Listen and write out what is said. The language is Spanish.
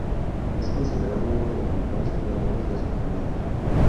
Es considerado uno de los mejores jugadores de su camada.